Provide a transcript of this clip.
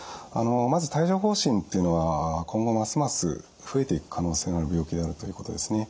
まず帯状ほう疹っていうのは今後ますます増えていく可能性がある病気であるということですね。